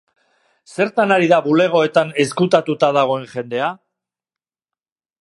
Zertan ari da bulegoetan ezkutatuta dagoen jendea?